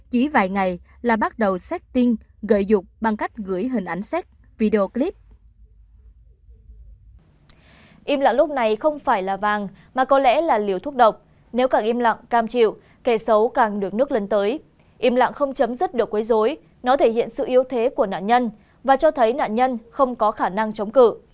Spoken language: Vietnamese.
các bạn không chấm dứt được quấy dối nó thể hiện sự yếu thế của nạn nhân và cho thấy nạn nhân không có khả năng chống cử